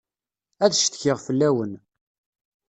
Ad ccetkiɣ fell-awen.